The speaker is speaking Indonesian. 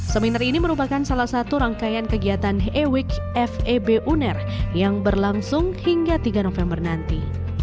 seminar ini merupakan salah satu rangkaian kegiatan ewik feb uner yang berlangsung hingga tiga november nanti